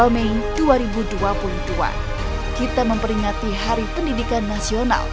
dua mei dua ribu dua puluh dua kita memperingati hari pendidikan nasional